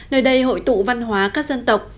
nơi đây hội tụ văn hóa các dân tộc